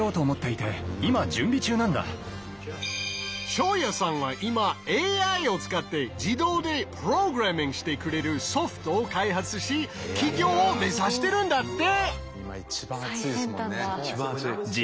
ショーヤさんは今ＡＩを使って自動でプログラミングしてくれるソフトを開発し起業を目指してるんだって。